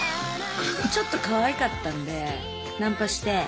ちょっとかわいかったんでナンパして。